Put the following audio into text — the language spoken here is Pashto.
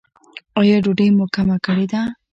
ایا ډوډۍ مو کمه کړې ده؟